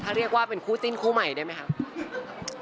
ถ้าเรียกว่าเป็นคู่จิ้นคู่ใหม่ได้ไหมครับ